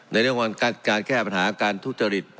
ในเรื่องของการแก้ปัญหาการทุจริต